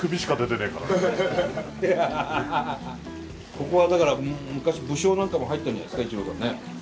ここはだから昔武将なんかも入ったんじゃないですか？